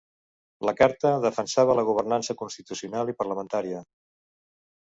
La carta defensava la governança constitucional i parlamentària.